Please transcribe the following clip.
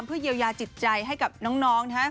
เพื่อเยียวยาจิตใจให้กับน้อง